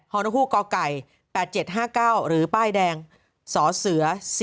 ฮคก๘๗๕๙หรือป้ายแดงศเส๔๘๕๑